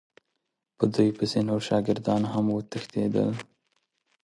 په دوی پسې نور شاګردان هم وتښتېدل.